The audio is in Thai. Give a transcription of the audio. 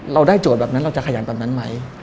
เราได้โจทย์แบบนั้นเราจะขยันต่างไหม